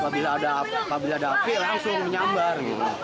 apabila ada api langsung menyambar